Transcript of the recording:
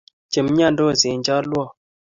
Che miandos eng' chalwok.